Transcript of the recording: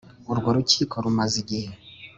Urwo rukiko rumaze igihe